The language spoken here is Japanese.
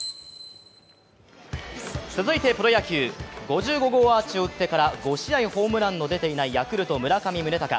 続いてプロ野球、５５号アーチを打ってから５試合ホームランの出ていないヤクルト・村上宗隆。